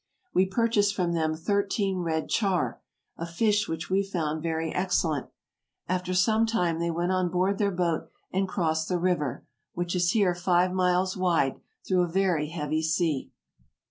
We purchased from them thirteen red charr, a fish which we found very excellent. After some time they went on board their boat and crossed the river, which is here five miles wide, through a very heavy sea.